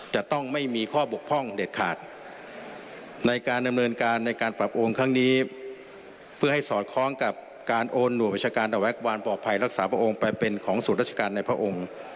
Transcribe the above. จะจึงกลับไปเป็นของส่วนราชการในพระองค์